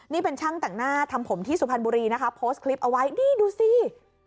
นี่เป็นช่างแต่งหน้าทำผมที่สุพรรณบุรีนะคะโพสต์คลิปเอาไว้นี่ดูสิ